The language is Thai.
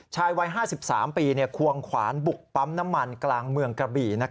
ชายวัย๕๓ปีควงขวานบุกปั๊มน้ำมันกลางเมืองกระบี่